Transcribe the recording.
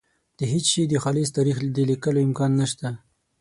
د هېڅ شي د خالص تاریخ د لیکلو امکان نشته.